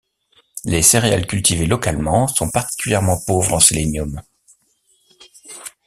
Les céréales cultivées localement sont particulièrement pauvres en sélénium.